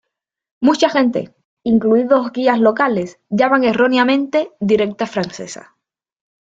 Mucha gente, incluidos guías locales, le llaman erróneamente "Directa Francesa".